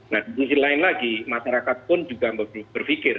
nah di sisi lain lagi masyarakat pun juga berpikir